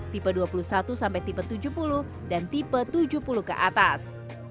tipe dua puluh satu sampai tipe tujuh puluh dan tipe tujuh puluh ke atas